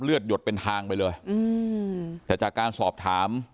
หยดเป็นทางไปเลยอืมแต่จากการสอบถาม